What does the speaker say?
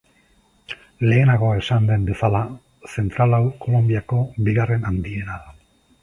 Lehenago esan den bezala, zentral hau Kolonbiako bigarren handiena da.